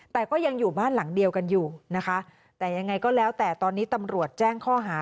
แต่ก็ยังอยู่บ้านหลังเดียวกันอยู่นะคะแต่ยังไงก็แล้วแต่ตอนนี้ตำรวจแจ้งข้อหา